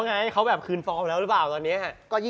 งีที้